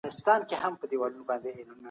دسیسې نورې هم زیاتې سوې